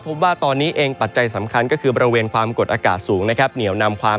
พบว่าตอนนี้เองปัจจัยสำคัญก็คือบริเวณความกดอากาศสูงนะครับเหนียวนำความ